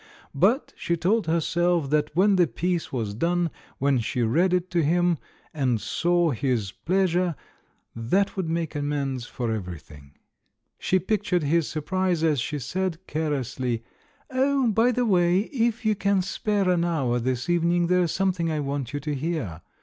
But she told herself that when the piece was done, when she read it to him, and saw his pleas ure, that would make amends for everything. She pictured his surprise as she said carelessly, "Oh, by the way, if you can spare an hour this evening, there's something I want you to hear!"